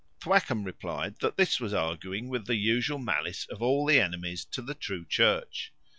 Thwackum replied, this was arguing with the usual malice of all the enemies to the true Church.